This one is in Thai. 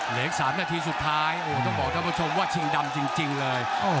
เหลืออีก๓นาทีสุดท้ายต้องบอกท่านผู้ชมว่าชิงดำจริงเลย